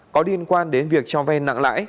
có liên quan đến việc cho vay nặng lãi